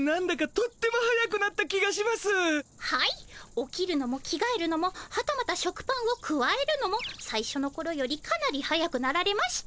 起きるのも着がえるのもはたまた食パンをくわえるのもさいしょのころよりかなり速くなられました。